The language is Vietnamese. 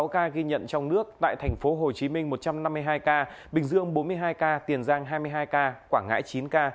hai trăm bốn mươi sáu ca ghi nhận trong nước tại tp hcm một trăm năm mươi hai ca bình dương bốn mươi hai ca tiền giang hai mươi hai ca quảng ngãi chín ca